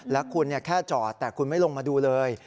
แล้วคุณแค่จอดแต่คุณไม่ลงมาดูเลย